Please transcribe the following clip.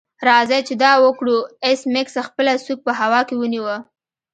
راځئ چې دا وکړو ایس میکس خپله سوک په هوا کې ونیو